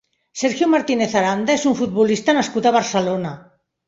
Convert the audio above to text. Sergio Martínez Aranda és un futbolista nascut a Barcelona.